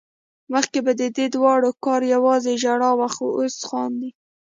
مخکې به ددې دواړو کار يوازې ژړا وه خو اوس خاندي